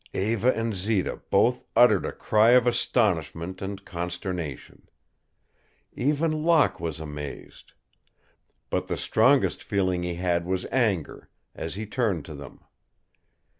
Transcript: Eva and Zita both uttered a cry of astonishment and consternation. Even Locke was amazed. But the strongest feeling he had was anger as he turned to them.